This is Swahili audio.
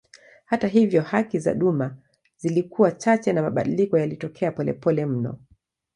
Hata hivyo haki za duma zilikuwa chache na mabadiliko yalitokea polepole mno.